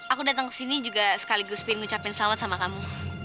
aku datang ke sini juga sekaligus pengen ngucapin selamat sama kamu